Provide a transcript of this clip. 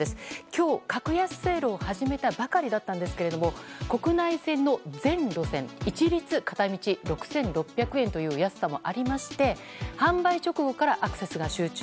今日、格安セールを始めたばかりだったんですが国内線の全路線一律片道６６００円という安さもありまして販売直後からアクセスが集中。